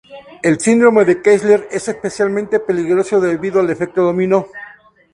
El síndrome de Kessler es especialmente peligroso debido al efecto dominó.